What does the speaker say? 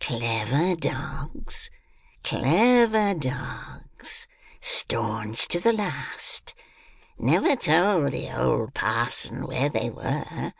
"Clever dogs! Clever dogs! Staunch to the last! Never told the old parson where they were.